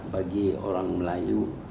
bagi orang melayu